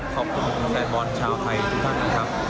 ขอบคุณแฟนบอลชาวไทยทุกท่านนะครับ